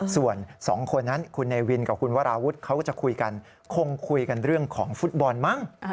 ส่วนสองคนนั้นคุณเนวินกับคุณวราวุฒิเขาก็จะคุยกันคงคุยกันเรื่องของฟุตบอลมั้ง